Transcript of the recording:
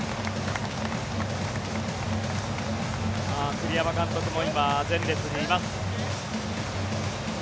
栗山監督も今、前列にいます。